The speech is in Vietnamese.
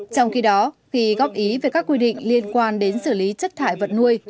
trong khi đó khi góp ý về các quy định liên quan đến xử lý chất thải vật nuôi